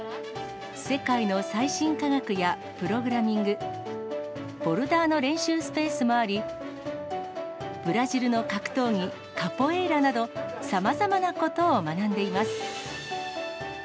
世界の最新科学やプログラミング、ボルダーの練習スペースもあり、ブラジルの格闘技、カポエイラなど、さまざまなことを学んでいます。